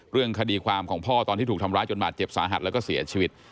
เรื่องคดีความของพ่อตอนที่ถูกทำร้ายจนบาดเจ็บสาหัสแล้วก็เสียชีวิต